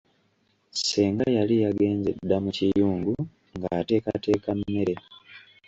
Ssenga yali yagenze dda mu kiyungu ng'ateekateeka mmere.